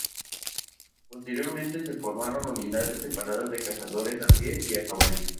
Posteriormente se formaron unidades separadas de cazadores a pie y a caballo.